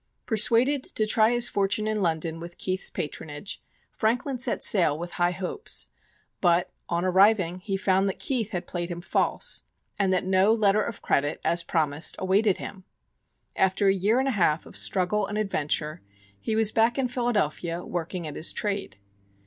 Persuaded to try his fortune in London with Keith's patronage, Franklin set sail with high hopes; but, on arriving, he found that Keith had played him false, and that no letter of credit, as promised, awaited him. After a year and a half of struggle and adventure, he was back in Philadelphia working at his trade.